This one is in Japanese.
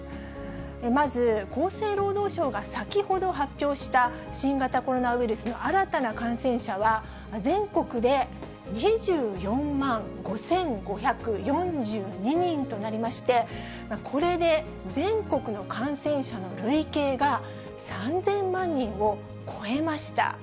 まず厚生労働省が先ほど発表した、新型コロナウイルスの新たな感染者は、全国で２４万５５４２人となりまして、これで全国の感染者の累計が、３０００万人を超えました。